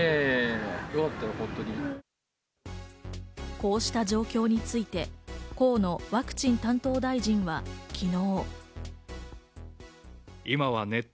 こうした状況について河野ワクチン担当大臣は昨日。